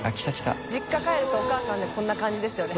淵Εぅ実家帰るとお母さんってこんな感じですよね。